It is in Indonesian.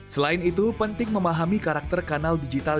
selain itu penting memahami karakter kanal digital